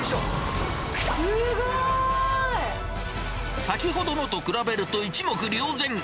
すごい。先ほどのと比べると一目りょう然。